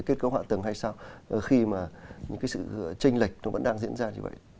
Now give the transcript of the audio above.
kết cấu hạ tầng hay sao khi mà những cái sự tranh lệch nó vẫn đang diễn ra như vậy